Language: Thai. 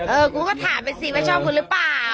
กูก็ถามไปสิว่าชอบคุณหรือเปล่า